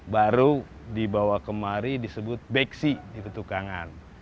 baru dibawa kemari disebut beksi itu tukangan